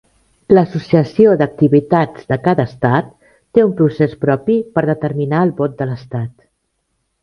L'associació d'activitats de cada estat té un procés propi per determinar el vot de l'estat.